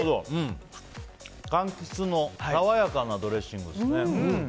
かんきつの爽やかなドレッシングですね。